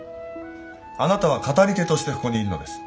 あなたは語り手としてここにいるのです。